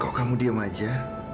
kok kamu diam aja